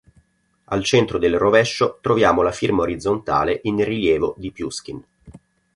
Al centro del rovescio troviamo la firma orizzontale in rilievo di Puškin.